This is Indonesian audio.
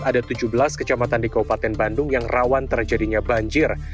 ada tujuh belas kecamatan di kabupaten bandung yang rawan terjadinya banjir